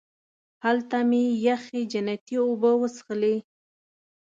هلته مې یخې جنتي اوبه وڅښلې.